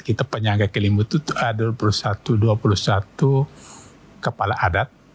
kita penyangga kelimut itu ada dua puluh satu dua puluh satu kepala adat